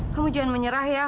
kamu jangan menyerah ya